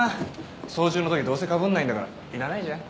操縦のときどうせかぶんないんだからいらないじゃん。